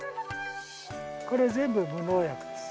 これ全部無農薬です。